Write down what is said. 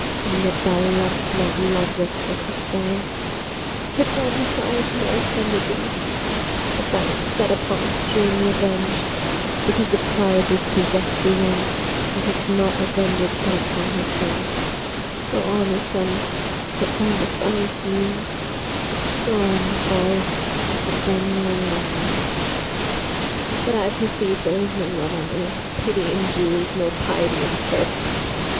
Admit thou lov'dst not Lodowick for his sire, Yet Don Mathias ne'er offended thee: But thou wert set upon extreme revenge, Because the prior dispossess'd thee once, And couldst not venge it but upon his son; Nor on his son but by Mathias' means; Nor on Mathias but by murdering me: But I perceive there is no love on earth, Pity in Jews, nor piety in Turks.